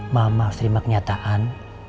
mama harus terima kenyataan